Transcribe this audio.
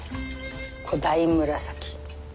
古代紫。